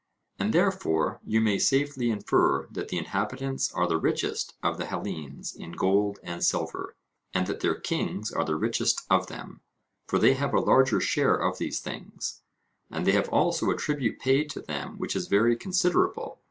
And therefore you may safely infer that the inhabitants are the richest of the Hellenes in gold and silver, and that their kings are the richest of them, for they have a larger share of these things, and they have also a tribute paid to them which is very considerable.